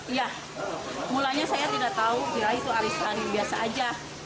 iya mulanya saya tidak tahu kira itu arisan biasa aja